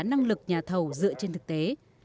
đánh giá năng lực nhà thầu dựa trên thực tế